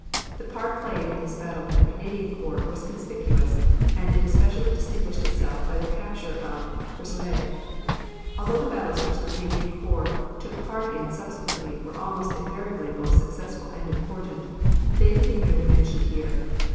The part played in this battle by the Canadian corps was conspicuous, and it especially distinguished itself by the capture of Courcelette. Although the battles which the Canadian corps took part in subsequently were almost invariably both successful and important, they can be merely mentioned here.